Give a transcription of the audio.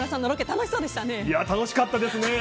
楽しかったですね。